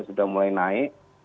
sudah mulai naik